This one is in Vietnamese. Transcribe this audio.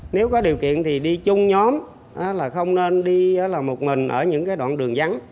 nếu có điều kiện thì đi chung nhóm không nên đi một mình ở những đoạn đường vắng